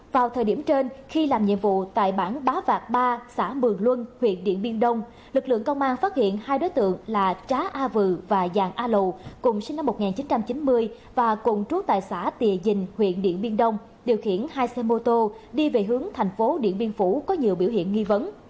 vào thời điểm trên khi làm nhiệm vụ tại bản bá vạc ba xã mường luân huyện điện biên đông lực lượng công an phát hiện hai đối tượng là trá a vừ và giàng a lù cùng sinh năm một nghìn chín trăm chín mươi và cùng trú tại xã tìa dình huyện điện biên đông điều khiển hai xe mô tô đi về hướng thành phố điện biên phủ có nhiều biểu hiện nghi vấn